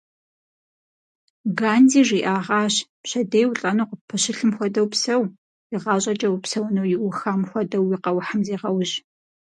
Ганди жиӏагъащ: пщэдей улӏэну къыппэщылъым хуэдэу псэу, игъащӏэкӏэ упсэуну иухам хуэдэу уи къэухьым зегъэужь.